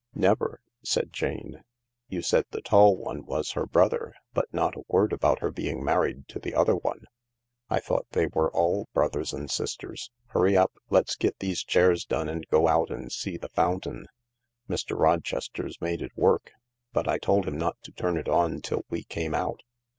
" Never," said Jane. " You said the tall one was her brother, but not a word about her being married to the other one. I thought they were all brothers and sisters. Hurry up— let's get these chairs done and go out and see the fountain. Mr. Rochester's made it work, but I told him not to turn it on till we came out."